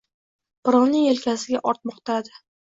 Birovning yelkasiga ortmoqladi.